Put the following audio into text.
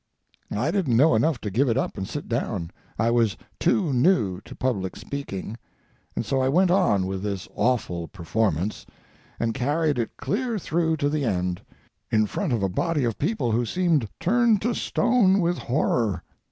I didn't know enough to give it up and sit down, I was too new to public speaking, and so I went on with this awful performance, and carried it clear through to the end, in front of a body of people who seemed turned to stone with horror.